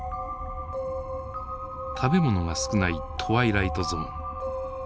食べ物が少ないトワイライトゾーン。